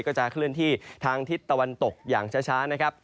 ก็จะเคลื่อนที่ทางทิศตะวันตกอย่างช้านะครับ